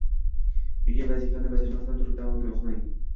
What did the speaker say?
Uyga vazifani bajarmasdan turib davomini o’qimang!